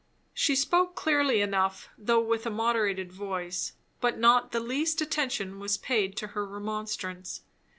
She spoke clearly enough, though with a moderated voice; but not the least attention was paid to her remonstrance.